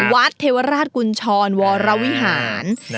วัดเทวราชกุณฝร์วรวิหาร